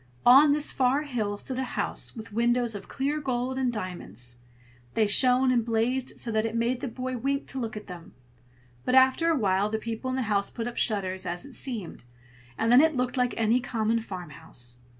On this far hill stood a house with windows of clear gold and diamonds. They shone and blazed so that it made the boy wink to look at them: but after a while the people in the house put up shutters, as it seemed, and then it looked like any common farmhouse.